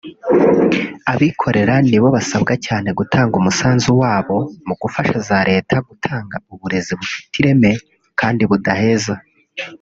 Abikorera nibo basabwa cyane gutanga umusanzu wabo mu gufasha za Leta gutanga uburezi bufite ireme kandi budaheza